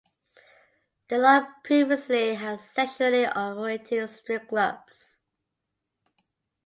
The lot previously had sexually oriented strip clubs.